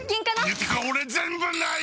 って俺、全部ない！